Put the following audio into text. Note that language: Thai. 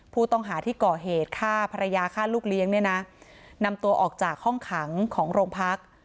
ผู้ต้องหาที่ก่อเหตุฆ่าภรรยาฆ่าลูกเลี้ยงเนี่ยนะนำตัวออกจากห้องขังของโรงพัก